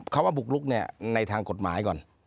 ว่าบุกลุกเนี่ยในทางกฎหมายก่อน